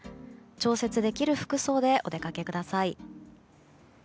調節できる服装でお出かけください。